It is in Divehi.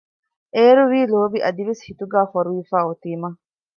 އޭރުވީ ލޯބި އަދިވެސް ހިތުގައި ފޮރުވިފައި އޮތީމަ